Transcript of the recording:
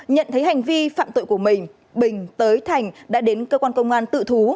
nhận thấy hành vi phạm tội của mình bình tới thành đã đến cơ quan công an tự thú